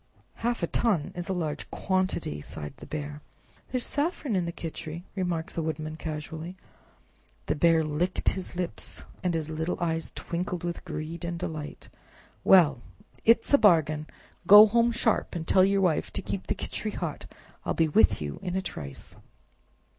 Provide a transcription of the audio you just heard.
"Half a ton is a large quantity!" sighed the Bear. "There is saffron in the Khichri," remarked the Woodman, casually. The Bear licked his lips, and his little eyes twinkled with greed and delight. "Well it's a bargain! Go home sharp and tell your Wife to keep the Khichri hot; I'll be with you in a trice."